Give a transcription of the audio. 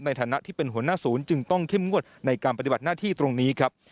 ในฐานะที่เป็นหัวหน้าศูนย์จึงต้องเข้มงวดในการปฏิบัติหน้าที่ตรงนี้ครับ